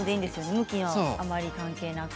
向きもあまり関係なく。